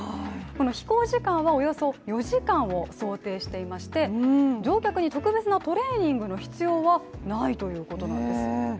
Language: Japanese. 飛行時間はおよそ４時間を想定していまして、乗客に特別なトレーニングの必要はないということなんです。